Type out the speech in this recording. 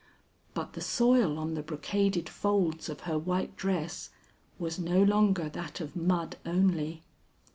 But the soil on the brocaded folds of her white dress was no longer that of mud only.